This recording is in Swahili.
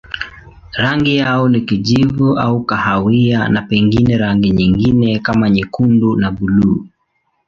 Rangi yao ni kijivu au kahawia na pengine rangi nyingine kama nyekundu na buluu.